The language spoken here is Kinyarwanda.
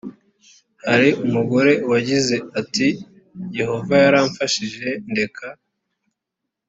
hari umugore wagize ati yehova yaramfashije ndeka